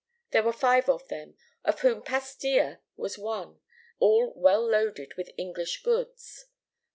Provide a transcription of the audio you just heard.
There were five of them, of whom Pastia was one, all well loaded with English goods.